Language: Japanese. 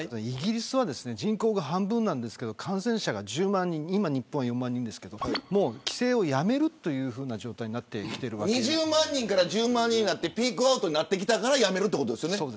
イギリスは人口が半分なんですけど感染者が１０万人で日本は４万人ですけどもう規制をやめるっていう状態に２０万人から１０万人になってピークアウトになってきたからやめるってことですよね。